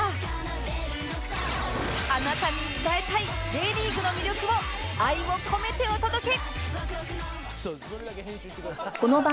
あなたに伝えたい Ｊ リーグの魅力を愛を込めてお届け！